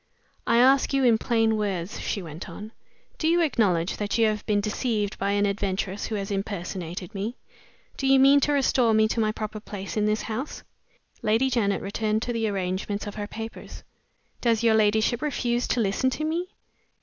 "I ask you in plain words," she went on, "do you acknowledge that you have been deceived by an adventuress who has personated me? Do you mean to restore me to my proper place in this house?" Lady Janet returned to the arrangement of her papers. "Does your ladyship refuse to listen to me?"